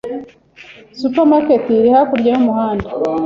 Supermarket iri hakurya yumuhanda.